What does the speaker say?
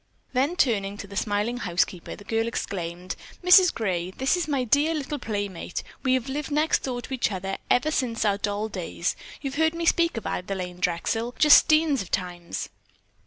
Then turning to the smiling housekeeper, the girl exclaimed: "Mrs. Gray, this is my dear little playmate. We have lived next door to each other ever since our doll days. You've heard me speak of Adelaine Drexel just steens of times."